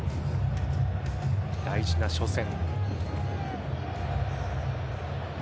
大事な初戦。